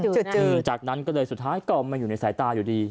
จากนั้นก็เลยสุดท้ายกล่อมมาอยู่ในสายตาอยู่ดี